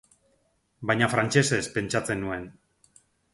Baina frantsesez pentsatzen nuen.